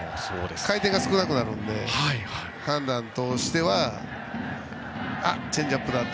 回転が少なくなるので判断としてはチェンジアップだと。